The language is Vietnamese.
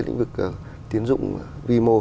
lĩnh vực tín dụng vi mô